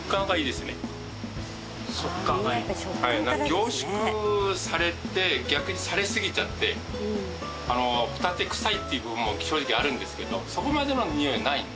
凝縮されて逆にされすぎちゃってあのほたて臭いっていう部分も正直あるんですけどそこまでのにおいないので。